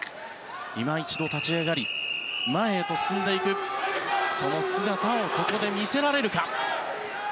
いま一度立ち上がり前へと進んでいくその姿を、ここで見せられるか。